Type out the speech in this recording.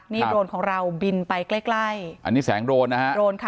นี่โรนของเราบินไปใกล้ใกล้อันนี้แสงโดรนนะฮะโรนค่ะ